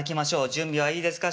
準備はいいですか？